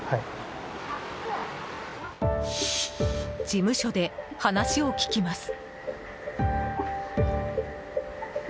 事務所で話を聞きます。